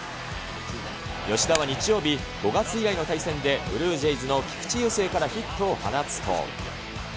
吉田は日曜日、５月以来の対戦で、ブルージェイズの菊池雄星からヒットを放つと。